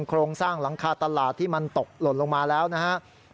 โครงสร้างหลังคาตลาดที่มันตกหล่นลงมาแล้วนะครับ